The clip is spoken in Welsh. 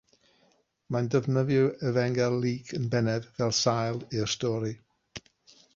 Mae'n defnyddio Efengyl Luc yn bennaf fel sail i'r stori.